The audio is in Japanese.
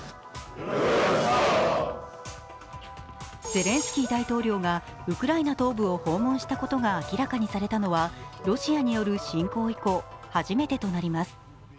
ゼレンスキー大統領がウクライナ東部を訪問したことが明らかにされたのはロシアによる侵攻以降、初めてとなります。